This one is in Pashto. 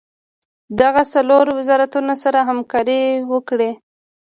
دغه څلور وزارتونه سره همکاري وکړي.